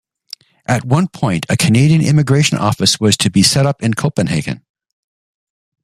At one point, a Canadian immigration office was to be set up in Copenhagen.